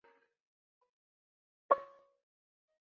在女婴几个月大时